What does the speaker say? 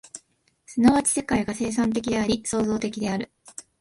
即ち世界が生産的であり、創造的である。